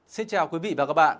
xin chào quý vị và các bạn